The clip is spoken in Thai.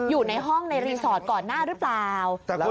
อยู่ในห้องในรีสอร์ทก่อนหน้าหรือเปล่า